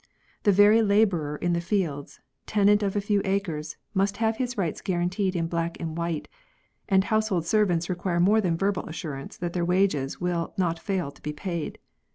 The very labourer in the fields, tenant of a few acres, must have his rights guaranteed in black and white ; and household servants require more than verbal assurance that their wages will not fail to be paid.